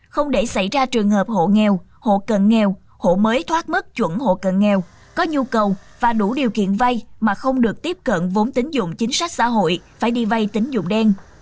không để xảy ra trường hợp hộ nghèo hộ cần nghèo hộ mới thoát mất chuẩn hộ cần nghèo có nhu cầu và đủ điều kiện vay mà không được tiếp cận vốn tính dụng chính sách xã hội phải đi vay tính dụng đen